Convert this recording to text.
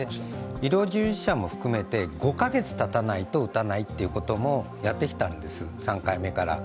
医療従事者も含めて５カ月たたないと打たないということもやってきたのです、３回目から。